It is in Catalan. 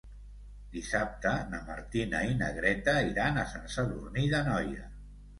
Dissabte na Martina i na Greta iran a Sant Sadurní d'Anoia.